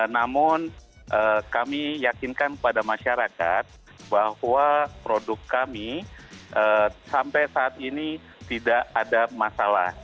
namun kami yakinkan kepada masyarakat bahwa produk kami sampai saat ini tidak ada masalah